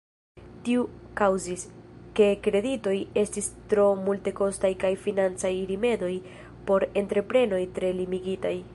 Tio kaŭzis, ke kreditoj estis tro multekostaj kaj financaj rimedoj por entreprenoj tre limigitaj.